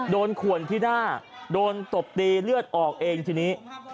ขวนที่หน้าโดนตบตีเลือดออกเองทีนี้